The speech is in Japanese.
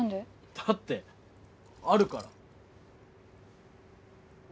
だってあるから。